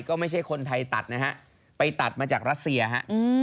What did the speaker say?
ก็ไม่ใช่คนไทยตัดนะฮะไปตัดมาจากรัสเซียฮะ